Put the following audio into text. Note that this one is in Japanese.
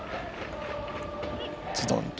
ズドンと。